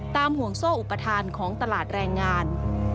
ห่วงโซ่อุปทานของตลาดแรงงาน